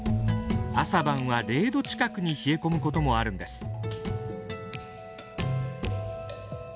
朝晩は０℃近くに冷え込むこともあるんです。